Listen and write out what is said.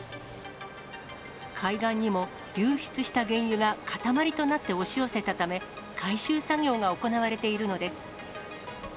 海岸にも流出した原油が塊となって押し寄せたため、回収作業が行われているのです。